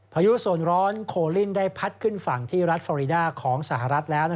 พายุส่วนร้อนโคลินได้พัดขึ้นฝั่งที่รัฐฟอริดาของสหรัฐแล้ว